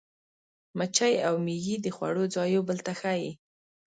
مچۍ او مېږي د خوړو ځای یو بل ته ښيي.